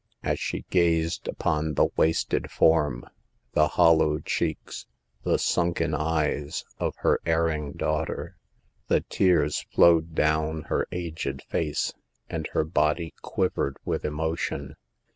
As she gazed upon the wasted form, the hollow cheeks, the sunken eyes, of her erring daughter, the tears flowed down her aged face and her body quivered with emotion.